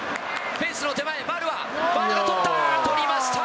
フェンスの手前、丸は、捕った！